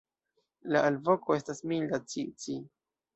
La alvoko estas milda "ci-ci".